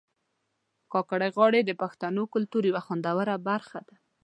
کاکړۍ غاړي د پښتنو کلتور یو خوندوره برخه ده